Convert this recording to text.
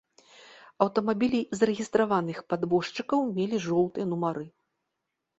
Аўтамабілі зарэгістраваных падвозчыкаў мелі жоўтыя нумары.